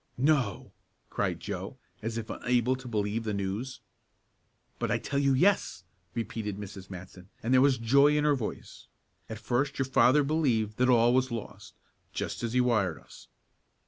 "No!" cried Joe, as if unable to believe the news. "But I tell you yes!" repeated Mrs. Matson, and there was joy in her voice. "At first your father believed that all was lost, just as he wired us.